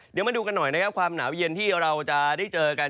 เดี๋ยวมาดูกันหน่อยนะครับความหนาวเย็นที่เราจะได้เจอกัน